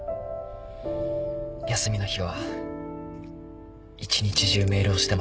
休みの日は一日中メールをしてました。